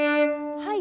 はい！